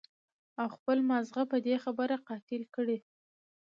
او خپل مازغۀ پۀ دې خبره قائل کړي